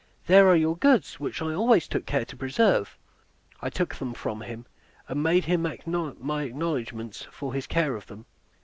There are your goods, which I always took care to preserve." I took them from him, and made him my acknowledgments for his care of them.